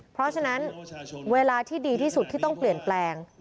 เพราะฉะนั้นเวลาที่ดีที่สุดที่ต้องเปลี่ยนแปลง